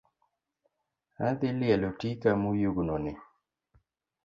Adhi lielo tika moyugno ni